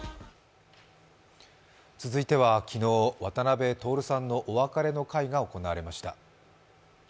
続いては昨日、渡辺徹さんのお別れの会が行われました。